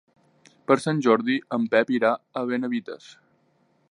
Per Sant Jordi en Pep irà a Benavites.